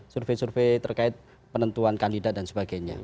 survei survei terkait penentuan kandidat dan sebagainya